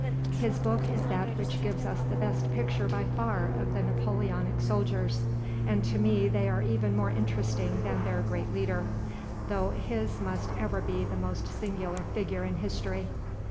His book is that which gives us the best picture by far of the Napoleonic soldiers, and to me they are even more interesting than their great leader, though his must ever be the most singular figure in history.